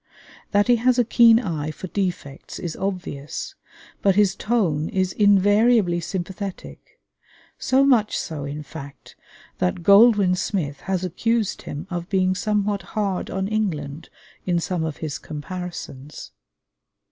That he has a keen eye for defects is obvious, but his tone is invariably sympathetic; so much so, in fact, that Goldwin Smith has accused him of being somewhat "hard on England" in some of his comparisons.